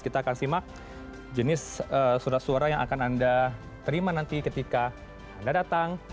kita akan simak jenis surat suara yang akan anda terima nanti ketika anda datang